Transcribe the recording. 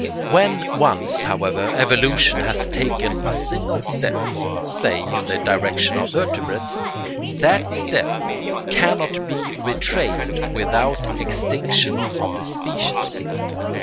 When once, however, evolution has taken a single step, say in the direction of vertebrates, that step cannot be retraced without extinction of the species.